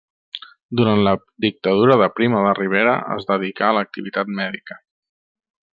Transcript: Durant la dictadura de Primo de Rivera es dedicà a l'activitat mèdica.